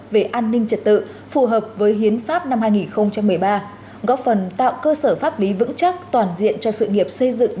về an ninh trật tự phù hợp với hiến pháp năm hai nghìn một mươi ba góp phần tạo cơ sở pháp lý vững chắc toàn diện cho sự nghiệp xây dựng